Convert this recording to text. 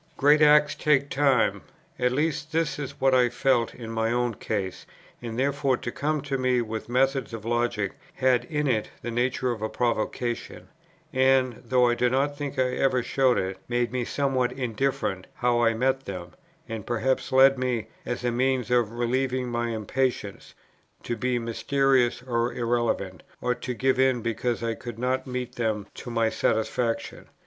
Great acts take time. At least this is what I felt in my own case; and therefore to come to me with methods of logic had in it the nature of a provocation, and, though I do not think I ever showed it, made me somewhat indifferent how I met them, and perhaps led me, as a means of relieving my impatience, to be mysterious or irrelevant, or to give in because I could not meet them to my satisfaction.